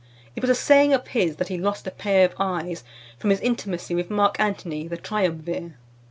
It was a saying of his, that he lost a pair of eyes from his intimacy with Mark Antony, the triumvir .